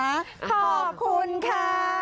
ขอบคุณค่ะ